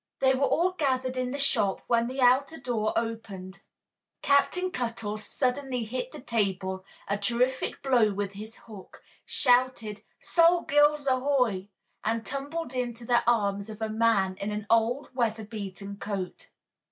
They were all gathered in the shop when the outer door opened. Captain Cuttle suddenly hit the table a terrific blow with his hook, shouted "Sol Gills, ahoy!" and tumbled into the arms of a man in an old, weather beaten coat.